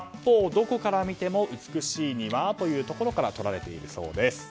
どこから見ても美しい庭というところからとられているそうです。